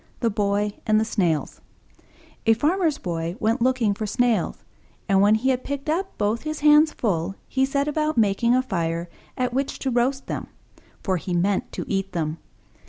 THE BOY AND THE SNAILS A Farmer's Boy went looking for Snails, and, when he had picked up both his hands full, he set about making a fire at which to roast them; for he meant to eat them.